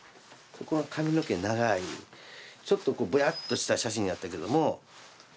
髪の毛長いちょっとボヤっとした写真やったけども。